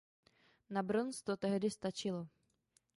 Na bronz to tehdy stačilo.